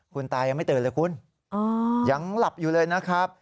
คุณตายังไม่ตื่นเลยคุณยังหลับอยู่เลยนะครับ